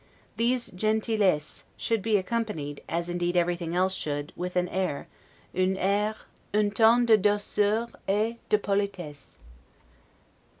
These 'gentillesses' should be accompanied, as indeed everything else should, with an air: 'un air, un ton de douceur et de politesse'.